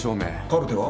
カルテは？